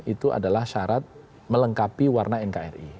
itu adalah syarat melengkapi warna nkri